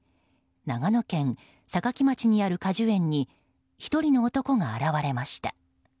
長野県坂城町にある果樹園に１人の男が現れました。